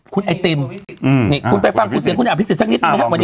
คุณไอติมนี่คุณไปฟังคุณเสียงคุณอภิษฎสักนิดหนึ่งไหมครับวันนี้